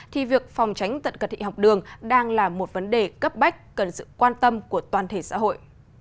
thì việc phòng tránh tật cận thị học đường đang là một vấn đề cấp bách cần sự quan tâm của toàn thể xã hội